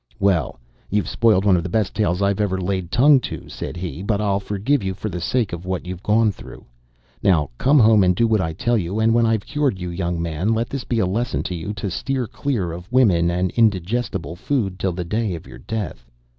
"Well, you've spoiled one of the best tales I've ever laid tongue to," said he, "but I'll forgive you for the sake of what you've gone through. Now come home and do what I tell you; and when I've cured you, young man, let this be a lesson to you to steer clear of women and indigestible food till the day of your death."